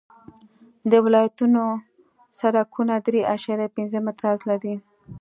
د ولایتونو سرکونه درې اعشاریه پنځه متره عرض لري